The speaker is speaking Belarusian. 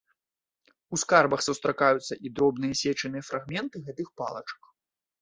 У скарбах сустракаюцца і дробныя, сечаныя фрагменты гэтых палачак.